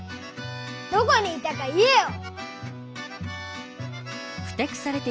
どこにいたか言えよ！